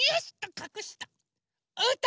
かくした。